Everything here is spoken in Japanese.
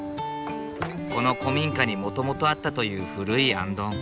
この古民家にもともとあったという古いあんどん。